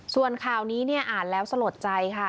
ส่วนข่าวนี้เนี่ยอ่านแล้วสลดใจค่ะ